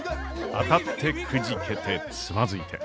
当たってくじけてつまずいて。